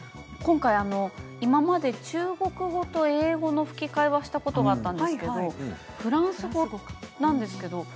今まで中国語と英語の吹き替えはしたことはあったんですがフランス語なんですね、今回。